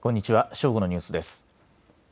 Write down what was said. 正午のニュースです。